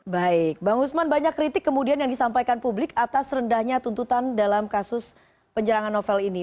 baik bang usman banyak kritik kemudian yang disampaikan publik atas rendahnya tuntutan dalam kasus penyerangan novel ini